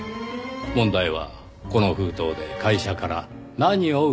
問題はこの封筒で会社から何を受け取っていたのか。